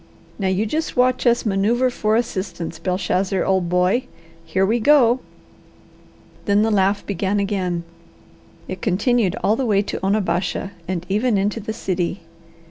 Now you just watch us manoeuvre for assistance, Belshazzar, old boy! Here we go!" Then the laugh began again. It continued all the way to Onabasha and even into the city.